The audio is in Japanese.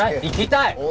行きたい！